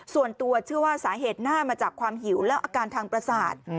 ส่วนตัวเชื่อว่าสาเหตุน่าจะมาจากความหิวและอาการทางประสาท